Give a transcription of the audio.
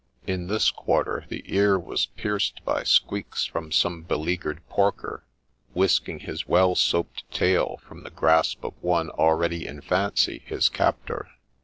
In this quarter the ear was pierced by squeaks from some beleaguered porker, whisking his well soaped tail from the grasp of one already in fancy his captor.